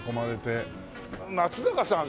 松坂さん